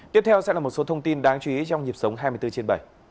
tiếp theo sẽ là một số thông tin đáng chú ý trong nhịp sống hai mươi bốn trên bảy